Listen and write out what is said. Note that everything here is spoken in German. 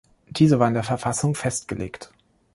Diese war in der Verfassung festgelegt.